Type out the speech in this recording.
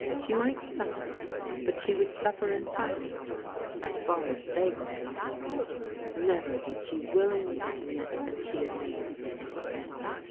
She might suffer, but she would suffer in silence as far as they were concerned. Never would she willingly admit that she had made a mistake.